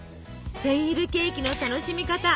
センイルケーキの楽しみ方。